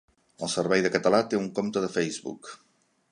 El Servei de Català té un compte de Facebook.